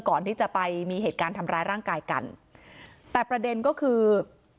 ก่อนที่จะไปมีเหตุการณ์ทำร้ายร่างกายกันแต่ประเด็นก็คือ